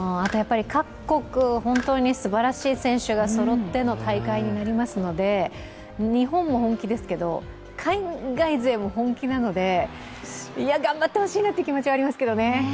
各国本当にすばらしい選手がそろっての大会になりますので、日本も本気ですけど、海外勢も本気なので、いや、頑張ってほしいなっていう気持ちがありますけどね。